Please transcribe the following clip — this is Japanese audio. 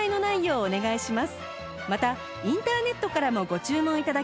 お願いします！